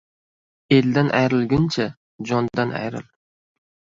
Eldan ayrilguncha, jondan ayril.